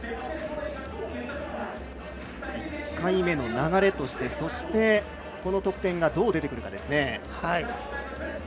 １回目の流れとしてそして、この得点がどう出るか。